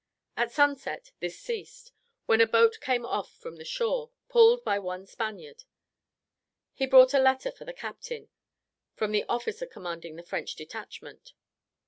At sunset this ceased, when a boat came off from the shore, pulled by one Spaniard; he brought a letter for the captain, from the officer commanding the French detachment.